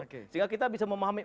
sehingga kita bisa memahami